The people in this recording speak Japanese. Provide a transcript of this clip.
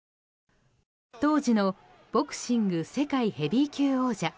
当時のボクシング世界ヘビー級王者